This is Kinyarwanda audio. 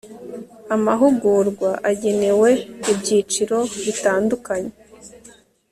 amahugurwa agenewe ibyiciro bitandukanye